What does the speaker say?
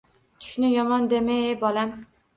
Tushni yomon dema-e bolam